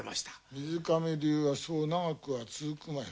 水上流はそう長くは続くまい。